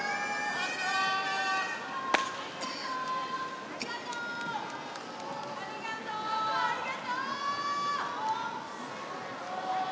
・白鵬ありがとう！